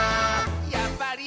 「やっぱり！